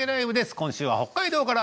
今週は北海道から。